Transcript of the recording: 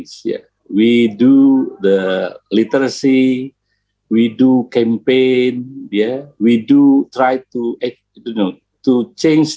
kami melakukan penelitian kami melakukan kampanye kami mencoba untuk membuatnya lebih mudah